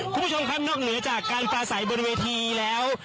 คุณผู้ชมครับนอกเหนือจากการปลาใสบนเวทีแล้ว